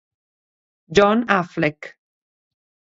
John Affleck